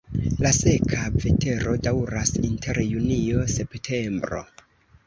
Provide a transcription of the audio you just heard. La seka vetero daŭras inter junio-septembro.